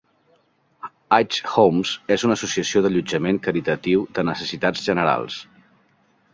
Haig Homes és una associació d'allotjament caritatiu de necessitats generals.